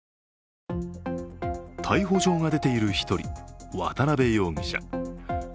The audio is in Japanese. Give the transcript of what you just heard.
逮捕状が出ている１人、渡辺容疑者。